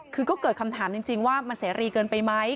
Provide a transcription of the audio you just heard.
คือก็เกิดคำถามจริงว่ามันเสรีเกินไปไหม